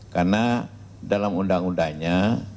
karena dalam undang undangnya